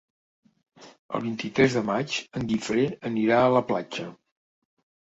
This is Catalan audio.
El vint-i-tres de maig en Guifré anirà a la platja.